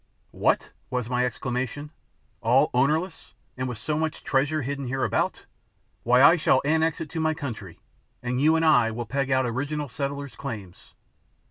"What!" was my exclamation. "All ownerless, and with so much treasure hidden hereabout! Why, I shall annex it to my country, and you and I will peg out original settlers' claims!"